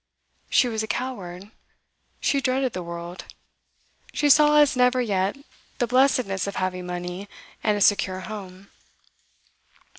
She was a coward; she dreaded the world; she saw as never yet the blessedness of having money and a secure home.